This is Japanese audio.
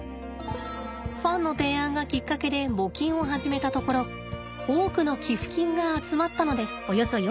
ファンの提案がきっかけで募金を始めたところ多くの寄付金が集まったのです。